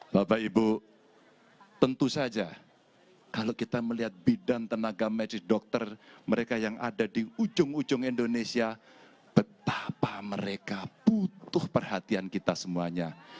bapak ibu tentu saja kalau kita melihat bidan tenaga medis dokter mereka yang ada di ujung ujung indonesia betapa mereka butuh perhatian kita semuanya